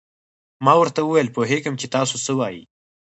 ما ورته وویل: پوهېږم چې تاسو څه وایئ.